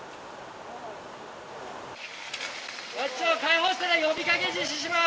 こっちを開放したら、呼びかけ実施します。